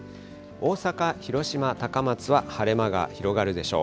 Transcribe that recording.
大阪、広島、高松は晴れ間が広がるでしょう。